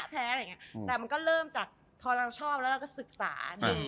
แต่มันก็เริ่มจากพอเราชอบเราก็ศึกษาดู